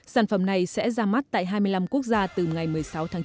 sản phẩm này sẽ ra mắt tại hai mươi năm quốc gia từ ngày một mươi sáu tháng chín